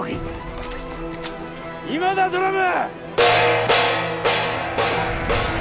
今だドラム！